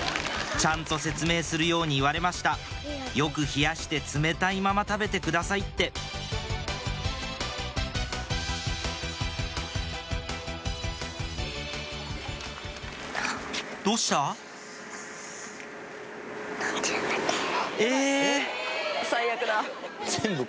ちゃんと説明するように言われました「よく冷やして冷たいまま食べてください」ってどうした？え！